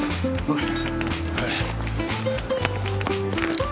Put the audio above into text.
はい。